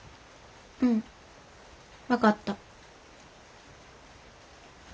うん分かった。